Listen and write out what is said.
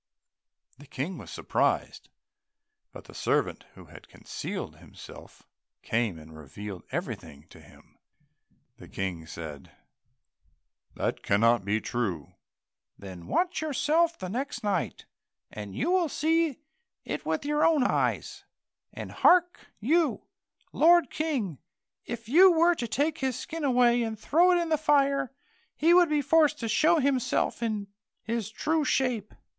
The King was surprised, but the servant who had concealed himself came and revealed everything to him. The King said, "That cannot be true." "Then watch yourself the next night, and you will see it with your own eyes; and hark you, lord King, if you were to take his skin away and throw it in the fire, he would be forced to show himself in his true shape."